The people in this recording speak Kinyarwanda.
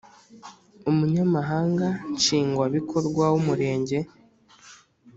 umunyamahanga nshingwabikorwa w’Umurenge